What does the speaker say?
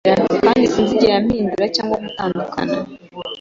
Kandi sinzigera mpindura cyangwa gutandukana